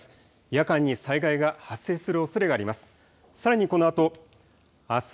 夜間に災害が発生するおそれがあります。